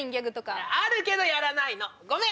あるけどやらないのごめん！